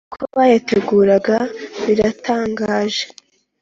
Uko bayategura biratangaje.